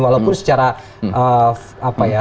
walaupun secara apa ya